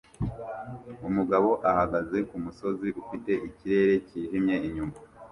Umugabo ahagaze kumusozi ufite ikirere cyijimye inyuma